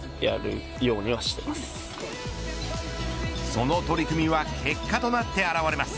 その取り組みは結果となって現れます。